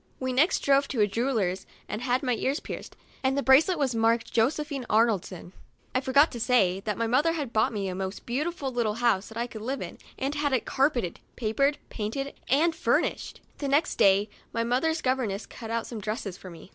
We next drove to a jeweller's, and had my ears pierced, and the bracelet was marked " Josephine Arnoldson." I forgot to say that my mother bought me a most beauti ful little house that I could live in, and Celeste B.eimonts house P SO COUNTRY DOLL. 21 had it carpeted, papered, painted and fur nished. The next day my mother's gov erness cut out some dresses for me.